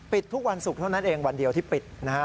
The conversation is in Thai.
ทุกวันศุกร์เท่านั้นเองวันเดียวที่ปิดนะฮะ